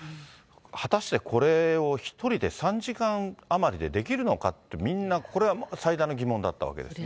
果たしてこれを１人で３時間余りでできるのかって、みんなこれは最大の疑問だったわけですね。